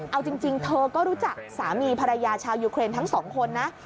เอาจริงเธอก็รู้จักสามีภรรยาชาวยูเครนทั้งสองคนนะ